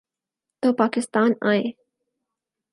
تو پاکستان آئیں۔